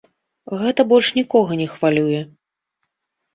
Гэта больш нікога не хвалюе.